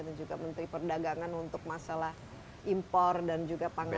dan juga menteri perdagangan untuk masalah impor dan juga pangan